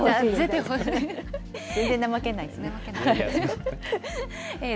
全然怠けないですね。